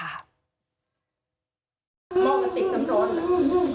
มองกะติกน้ำร้อน